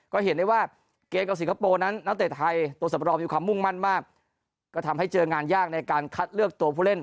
ก็เห็นได้ว่าเกมกับสิงคโปร์นั้นนักเตะไทยตัวสำรองมีความมุ่งมั่นมากก็ทำให้เจองานยากในการคัดเลือกตัวผู้เล่น